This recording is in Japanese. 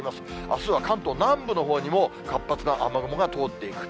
あすは関東南部のほうにも、活発な雨雲が通っていく。